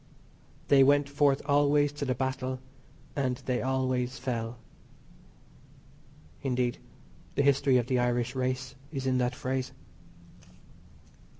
"They went forth always to the battle; and they always fell," Indeed, the history of the Irish race is in that phrase.